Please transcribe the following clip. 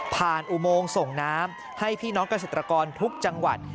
อุโมงส่งน้ำให้พี่น้องเกษตรกรทุกจังหวัด